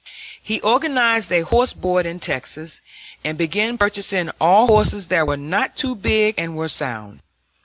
He organized a horse board in Texas, and began purchasing all horses that were not too big and were sound.